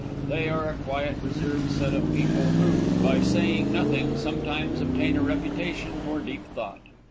They are a quiet, reserved set of people, who, by saying nothing, sometimes obtain a reputation for deep thought.